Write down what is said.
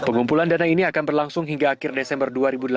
pengumpulan dana ini akan berlangsung hingga akhir desember dua ribu delapan belas